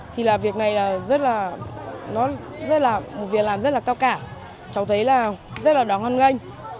thì là việc này là rất là nó rất là một việc làm rất là cao cả cháu thấy là rất là đáng hân ganh